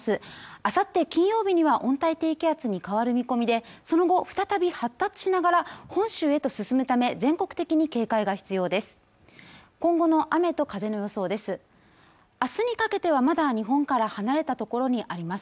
あさって金曜日には温帯低気圧に変わる見込みでその後再び発達しながら本州へと進むため全国的に警戒が必要です